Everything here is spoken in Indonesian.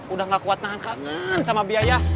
udah gak kuat nahan kangen sama biaya